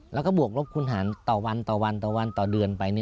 แล้วก็บวกรบคุณหารต่อวันต่อเดือนไป